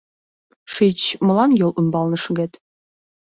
Шич, молан йол ӱмбалне шогет?